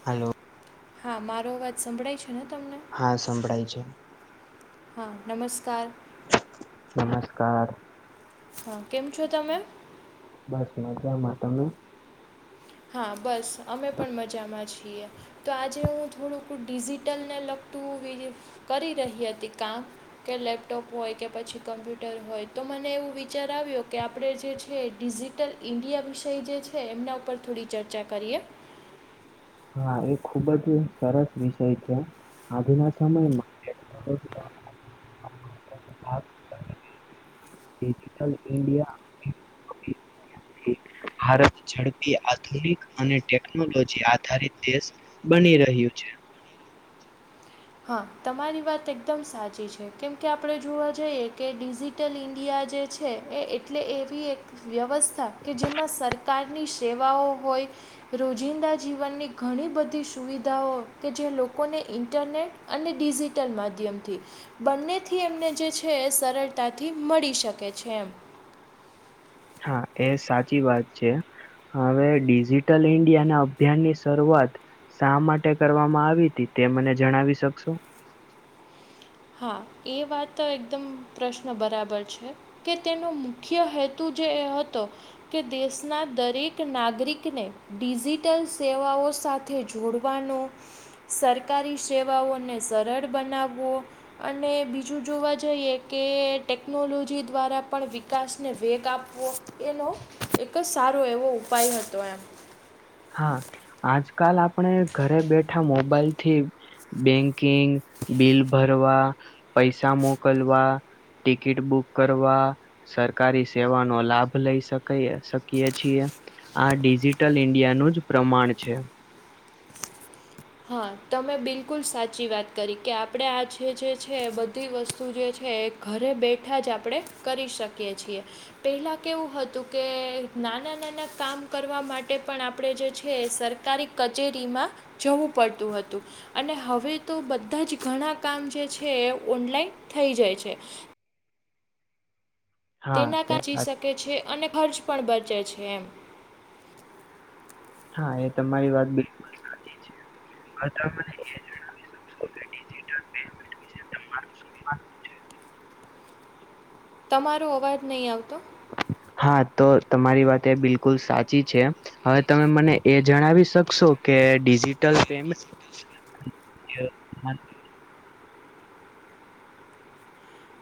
Hello હા, મારો અવાજ સંભળાય છે ને તમને હા સંભળાય છે હા! નમસ્કાર. નમસ્કાર! હા, કેમ છો તમે? બસ મજામાં તમે. હા, બસ અમે પણ મજામાં છીએ તો આજે હું થોડુંકું ડિઝિટલને લગતું [unintelligible] કરી રહી હતી કામ. કે લેપટોપ હોય કે પછી કમ્પ્યુટર હોય તો મને એવું વિચાર આવ્યો કે આપણે જે છે ડીઝી ડિટલ ઇન્ડિયા વિષય જે છે એમના ઉપર થોડી ચર્ચા કરીએ. હા, એ ખુબ જ સરસ વિષય છે. આજના સમયમાં ટેકનોલોજી [unintelligible] [unintelligible] ડિજિટલ ઇન્ડિયા [unintelligible] ભારત ઝડપી આધુનિક અને ટેકનોલોજી આ આધારિત દેશ બની રહ્યું છે. હા, તમારી વાત એકદમ સાચી છે કેમ કે આપણે જોવા જઈએ કે ડીઝી ડિજિટલ ઇન્ડિયા જે છે એ એટલે એવી એક વ્યવસ્થા કે જેમાં સરકારની સેવાઓ હોય. રોજિંદા જીવનની ઘણી બધી સુવિધાઓ કે જે લોકોને ઇન્ટરનેટ અને ડિજિટલ માધ્યમથી બંનેથી એમને જે છે એ સરળતાથી મળી શકે છે એમ હા, એ સાચી વાત છે. હવે ડિઝિટલ ઈન્ડિયા ના અભિયાન ની શરૂઆત શા માટે કરવામાં આવી તી તે મને જણાવી શકશો? હા, એ વાત એકદમ પ્રશ્ન બરાબર છે. કે તેનો મુખ્ય હેતુ જે એ હતો કે દેશના દરેક નાગરિકને ડિઝિટલ સેવાઓ સાથે જોડવાનો સરકારી સેવાઓને સરળ બનાવવો. અને બીજું જોવા જઈએ કે ટેકનોલોજી દ્વારા પણ વિકાસને વેગ આપવો. એનો એક જ સારો એવો ઉપાય હતો એમ. હા, આજકાલ આપણે ઘરે બેઠા મોબાઈલ થી બેંકિંગ, બિલ ભરવા, પૈસા મોકલવા ટિકિટ બુક કરવા સરકારી સેવાનો લાભ લઈ શકયે શકીયે છીએ આ ડિઝિટલ ઈન્ડ ત્યાંનું જ પ્રમાણ છે. હા, તમે બિલકુલ સાચી વાત કરી કે આપણે આ જે જે છે બધી વસ્તુ જે છે એ ઘરે બેઠા જ આપણે કરી શકીએ છીએ. પહેલા કેવું હતું કે નાના-નાના કામ કરવા માટે પણ આપણે જે છે સર તારી કચેરીમાં જવું પડતું હતું. અને હવે તો બધા જ ઘણા કામ જે છે એ ઓનલાઈન થઈ જાય છે. હા એ તેના [unintelligible] સા શકે છે અને ખર્ચ પણ બચે છે એમ હા, એ તમારી વાત બિલકુલ સાચી છે. હવે તમે મને એ જણાવી શકો ડીઝીટલ [unintelligible] તમારું શુ [unintelligible] તમારો અવાજ નહીં આવતો? હા, તો તમારી વાત એ બિલકુલ સાચી છે. હવે તમે મને એ જણાવી શકશો? કે ડિઝિટલ પેમેન્ટ [unintelligible]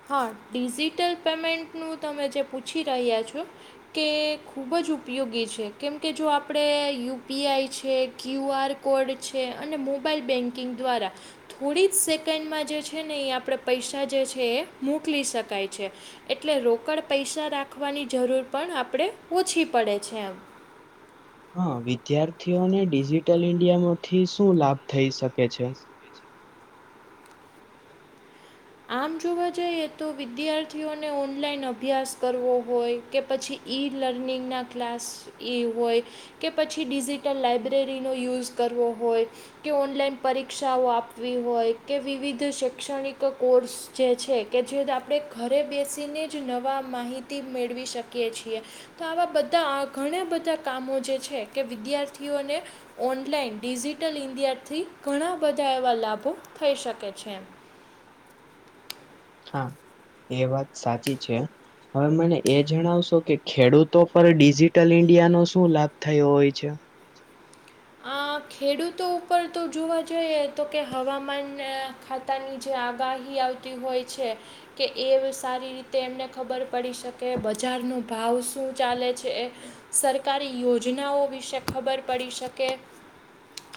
હા, ડિઝિટલ પેમેન્ટનું તમે જે પૂછી રહ્યા છો? કે ખૂબ જ ઉપયોગી છે, કેમકે જો આપણે યુ પી આઈ છે ક્યુ આર કોડ છે અને મોબાઈલ બેન્કિંગ દ્વારા થોડી જ સેકન્ડમાં જે છે ને એ આપણે પૈસા જે છે એ મોકલી શકાય છે. એટલે રોકડ પૈસા રાખવાની જરૂર પણ આપણેે ઓછી પડે છે એમ હા વિદ્યાર્થીઓને ડિજિટલ ઈન્ડિયા માંથી શું લાભ થઈ શકે છે? આમ જોવા જઈએ તો વિદ્યાર્થીઓને ઓનલાઈન અભ્યાસ કરવો હોય કે પછી ઈ લર્નિંગના ક્લાસ એ હોય કે પછી ડિજિટલ લાઈબ્રેરીનો યુઝ કરવો હોય કે ઓનલાઈન પરીક્ષાઓ આપવી હોય કે વિવિધ શૈક્ષણિક એક કોર્સ જે છે કે જે આપણે ઘરે બેસીને જ નવા માહિત તી મેળવી શકીએ છીએ. તો આવા બધા ઘણા બધા કામો જે છે કે વિદ્યાર્થીઓને ઑનલાઈન ડિજિટલ ઈન્ડિયાથી ઘણા બધા એવા લાભો થઈ શકે છે. હા એ વાત સાચી છે. હવે મને એ જણાવશો કે ખેડૂતો પર ડિજિટલ ઈન્ડિયાનો શું લાભ થયો હોય છે? આ ખેડૂતો ઉપર તો જોવા જઈએ તો કે હવામાન ખાતાની જે આગાહી આવતી હોય છે કે એ સારી રીતે એમને ખબર પડી શકે, બજારનો ભાવ શું ચાલે છે સરકારી યોજનાઓ વિશે ખબર પડી શકે.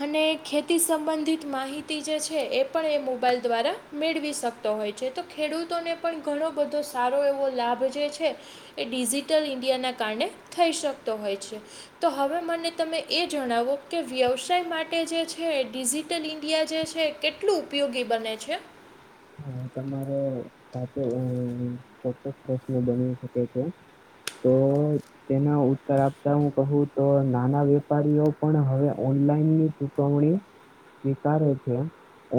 અને ખેતી સંબંધિત માહિતી જે છે એ પણ એ મોબાઈલ દ્વારા મેળવી શકતો હોય છે તો ખેડૂતોને પણ ઘણો બધો સારો એવો લાભ જે છે એ ડિજિટલ ઇન્ડિયાના કારણે થઈ શકતો હોય છે. તો હવે મને તમે એ જ જણાવો કે વ્યવસાય માટે જે છે ડિજિટલ ઇન્ડિયા જે છે એ કેટલું ઉપયોગી બને છે? હા એ તમારો સાચો ચોક્કસ પ્રશ્ન બની શકે છે. તો તેનો ઉત્તર આપતા હું કહું તો નાના વેપારીઓ પણ હવે ઓનલાઈન ની સાવણી ઉતારે છે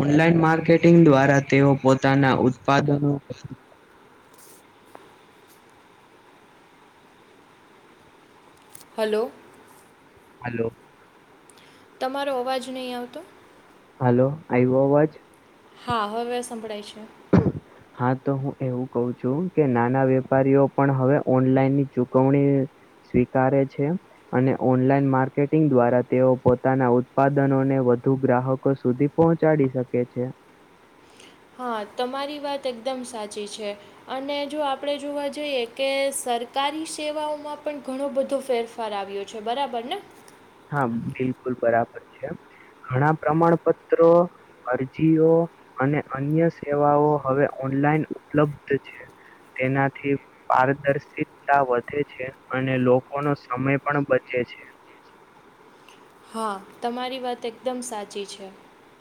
ઓનલાન માર્કેટિંગ દ્વારા તેઓ પો પોતા ના ઉત્પાદનો હાલો. હાલો. તમારો અવાજ નહીં આવતો. હાલો આઈવો અવાજ? હા હવે સંભળાય છે. હા તો હું એવું કું છું કે નાના વેપારીઓ પણ હવે ઓનલાઈનની ચુકવણી સ્વીકારે છે. અને ઓનલાઈન માર્કેટિંગ દ્વારા તેઓ પોતાના ઉત્પાદનોને વધુ ગ્રાહકો સુધી પહોંચાડી શકે છે. હા તમારી વાત એકદમ સાચી છે. અને જો આપણે જોવા જઈએ કે સરકારી સેવાઓમાં પણ ઘણો બધો ફેરફાર આવ્યો છે બરાબર ને? હા બિલકુલ બરાબર છે. ઘણા પ્રમાણપત્રો અરજીઓ અને અન્ય સેવાઓ હવે ઓનલાઈન ઉપલબ્ધ છે. તેનાથી પારદર્શિતતા વધે છે અને લોકોનો સમય પણ બચે છે. હા તમારી વાત એકદમ સાચી છે.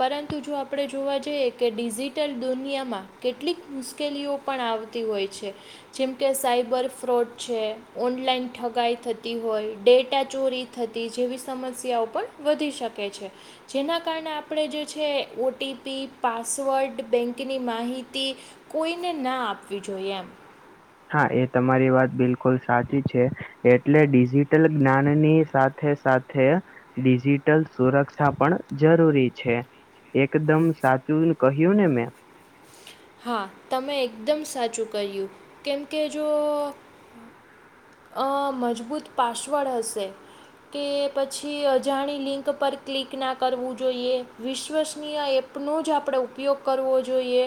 પરંતુ જો આપણે જોવા જઈએ કે ડિજિટલ દુનિયામાં કેટલીક મુશ્કેલીઓ પણ આવતી હોય છે. જેમકે સાયબર ફ્રોડ છે, ઓનલાઈન ઠગાઈ થતી હોય, ડેટા ચોરી થતી જેવી સમસ્યાઓ પણ વધી શકે છે. જેના કારણે આપણે જે છે ઓ ટી પી, પાસવર્ડ, બેંકની માહિતી કોઈને ના આપવી જોઈએ એમ. હા એ તમારી વાત બિલકુલ સાચી છે. એટલે ડિજિટલ જ્ઞાનની સાથે સાથે ડિજિટલ સુરક્ષા પણ જરૂરી છે. એકદમ સાચું ને કહ્યું ને મેં હા તમે એકદમ સાચું કર્યું કેમકે જો મજબૂત પાસવર્ડ હશે. કે પછી અજાણી લિંક પર ક્લિક ના કરવું જોઈએ વિશ્વસનીય એપ ન જ આપણે ઉપયોગ કરવો જોઈએ.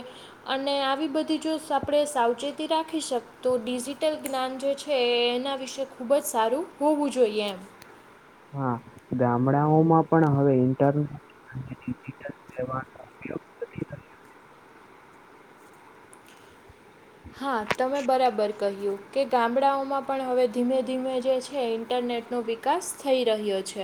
અને આવી બધી જો આપણે સાવચેતી રાખી શક તોું ડિજિટલ જ્ઞાન જે છે એ એના વિશેે ખૂબ જ સારું હોવું જોઈએ એમ. હા ગામડાઓમાં પણ હવે ઇન્ટરનેટ અને ડિજિટલ સેવા. હા તમે બરાબર કહ્યું કે ગામડાઓમાં પણ હવે ધીમે ધીમે જે છે ઇન્ટરનેટનોિક વિકાસ થઈ રહ્યો છે.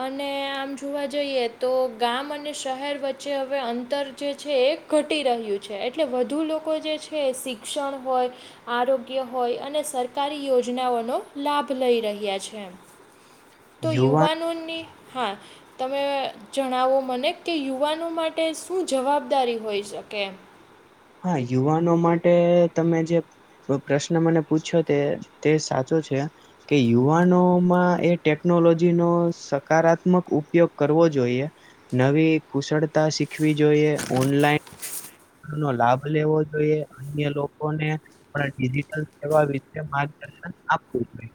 અને આમ જોવા જઈએ તો ગામ અને શહેર વચ્ચે હવે અંતર જે છે એક ઘટી રહ્યું છે એટલે વધુ લોકો જે છે એ શિક્ષણ હોય. આરોગ્ય હોય અને સરકારી યોજનાઓનો લાભ લઈ રહ્યા છે. તો યુવાન યુવાનોને હા તમે જણાવો મને કે યુવાનો માટે શું જવાબદારી હોઈ શકે એમ. હા યુવાનો માટે તમે જે પ્રશ્ન મને પૂછ્યો તે તે સાચો છે. કે યુવાનોમાં એ ટેકનોલોજી નો સકારાત્મક ઉપયોગ કરવો જોઈએ. નવી કુશળતા શીખવી જોઈએ ઓનલાઈન નો લાભ લેવો જોઈએ અન્ય લોકોને પણ ડિજિટલ સેવા વિતે માર્ગદર્શન આપવું જોઈએ.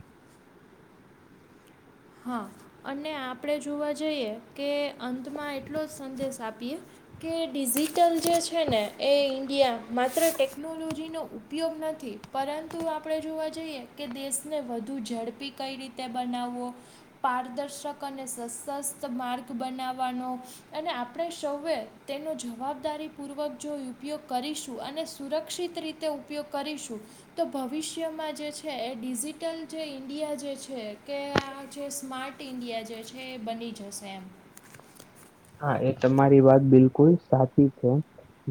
હા અને આપણે જોવા જઈએ કે અંતમાં એટલો જ સંદેશ આપીએ. કે ડિજિટલ જે છે ને એ ઇન્ડિયા માત્ર ટેકનોલોજીનો ઉપયોગ નથી. પરંતુ આપણે જોવા જઈએ કે દેશને વધુ ઝડપી કઈ રીતે બનાવવો પારદર્શક અને સશસ્ત માર્ગ બનાવવાનો અને આપણે સૌએ તેનો જવાબદારીપૂર્વક જો ઉપયોગ કરીશું અને સુરક્ષિત રીતે તે ઉપયોગ કરીશું તો ભવિષ્યમાં જે છે એ ડિજિટલ જે ઈન્ડિયા જે છે કે જે સ્માર્ટ ઈન્ડિયા જે છે એ બની જશે એમ હા એ તમારી વાત બિલકુલ સાચી છે.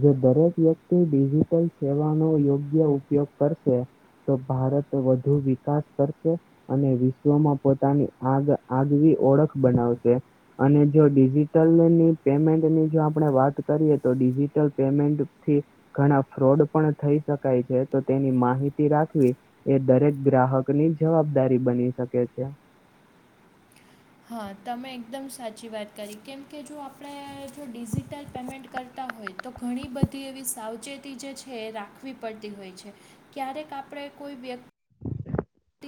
જો દરેક વ્યક્તિ ડિજિટલ સેવાનોો યોગ્ય ઉપયોગ કરશે. તો ભારત વધુ વિકાસ કરશે. અને વિશ્વમાં પોતાની આગ આગવી ઓળખ બનાવશે અને જોિ લની પેમેન્ટની જો આપણે વાત કરીએ તો ડિજિટલ પેમેન્ટથી ઘણા ફ્રોડ પણ થઈ શકાય છે તો તેની માહિતી રાખવી એ દરેક ગ્રાહક ની જવાબદારી બની શકે છે. હા તમે એકદમ સાચી વાત કરી કેમ કે જો આપણે જો ડિજિટલ પેમેન્ટ કરતા હોય. તો ઘણી બધી એવી સાવચેતી જે છે એ રાખવી પડતી હોય છે. ક્યારેક આપણે કોઈ વ્યક્તિ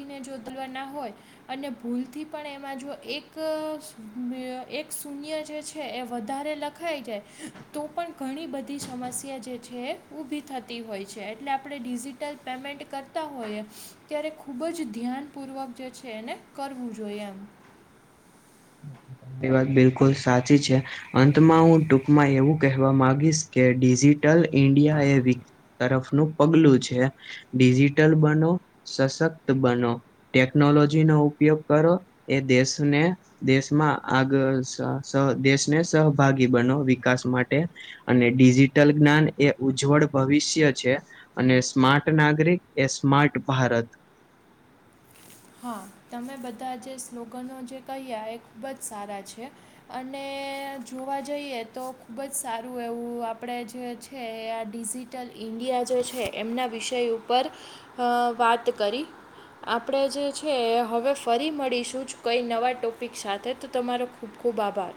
ને જોતવા ના હોય અને ભૂલથી પણ એમાં જો એક શૂન્ય જે છે એ વધારે લગ ાઈ જાય તો પણ ઘણી બધી સમસ્યા જે છે ઉઊભી થતી હોય છે એટલે આપણે ડિિટ લ પેમેન્ટ કરતા હોયએ ત્યારે ખૂબ જ ધ્યાનપૂર્વક જે છે એને કરવું જોઈએ એમ એ વાત બિલકુલ સાચી છે. અંતમાં હું ટૂંકમાં એવું કહેવા માંગીશ કે ડિજિટલ ઇન્ડિયા એ વ તરફનું પગલું છે ડિજિટલ બનો સશક્ત બનો ટેકનોલોજી નો ઉપયોગ કરો એ દેશને દેશ માં આગળ સહ દેશને સહભાગી બનો વિકાસ માટે અને ડિજિટલ જ્ઞાન એ ઉજ્જવળ ભવિષ્ય છે. અને સ્માર્ટ નાગરિક એ સ્માર્ટ ભારત હા તમે બધા જે સ્લોગનો જે કહ્યા એ ખૂબ જ સારા છે. અને જોવા જઈએ તો ખૂબ જ સારું એવું આપણે જે કે આ ડિજિટલ ઇન્ડિયા જે છે એમના વિષય ઉપર અ વાત કરી આપ આપણે જે છે હવે ફરી મળીશું જ કંઈ નવા ટોપિક સાથે તો તમારો ખૂબ ખૂબ આભાર